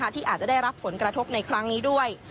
ที่อาจจะได้รับผลกระทบในครั้งนี้ด้วย